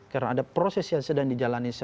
karena ada proses yang sedang dijalani